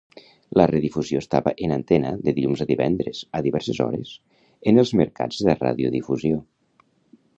La redifusió estava en antena de dilluns a divendres a diverses hores en els mercats de radiodifusió.